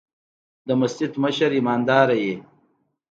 د مسجد مشر ايمانداره وي.